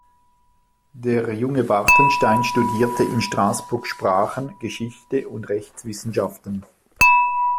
Der junge Bartenstein studierte in Straßburg Sprachen, Geschichte und Rechtswissenschaften.